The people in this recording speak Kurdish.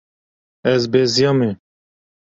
Ez beziyame.